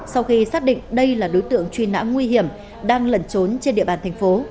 sau khi xác định đây là đối tượng truy nã nguy hiểm đang lẩn trốn trên địa bàn thành phố